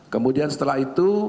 kemudian setelah itu